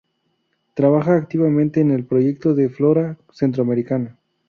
Trabaja activamente en el Proyecto de Flora centroamericana.